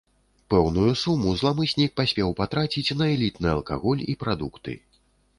Пэўную суму зламыснік паспеў патраціць на элітны алкаголь і прадукты.